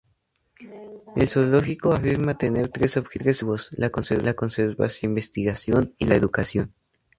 El Zoológico afirma tener tres objetivos: la conservación, la investigación y la educación.